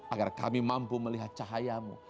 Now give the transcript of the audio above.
agar kami mampu melihat cahayamu